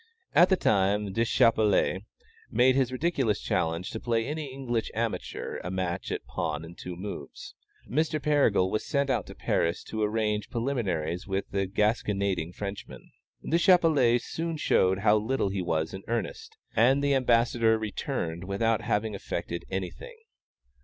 At the time Deschappelles made his ridiculous challenge to play any English amateur a match at Pawn and Two moves, Mr. Perigal was sent out to Paris to arrange preliminaries with the gasconading Frenchman. Deschappelles soon showed how little he was in earnest, and the ambassador returned without having effected any thing.